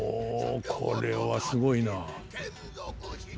おおこれはすごいな。